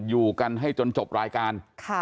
อยู่กันให้จนจบรายการ